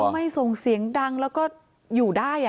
ไม่ร้องไม่ส่งเสียงดังแล้วก็อยู่ได้